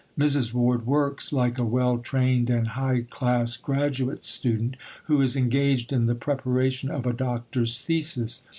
Mrs. Ward works like a well trained and high class graduate student, who is engaged in the preparation of a doctor's thesis.